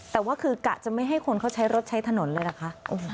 แต่ว่าคือกะจะไม่ให้คนเขาใช้รถใช้ถนนเลยเหรอคะ